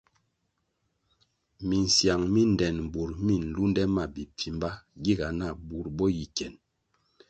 Misiang mi ndtenbur mi nlunde ma bipfimba giga nah bur bo yi kien.